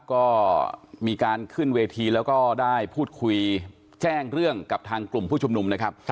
ก็มีการขึ้นเวทีแล้วก็ได้พูดคุยแจ้งเรื่องกับทางกลุ่มผู้ชุมนุมนะครับ